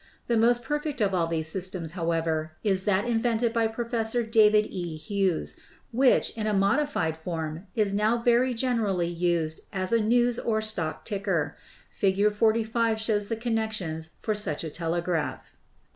The most perfect of all these systems, however, is that invented by Professor David E. Hughes, which, in a modified form, is now very generally used as a news or stock ticker. Fig. 45 shows the connections for such a telegraph.